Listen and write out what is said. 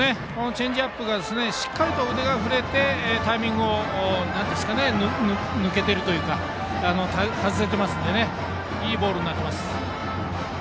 チェンジアップがしっかりと腕が振れてタイミングを抜けているというか外せていますのでいいボールになっています。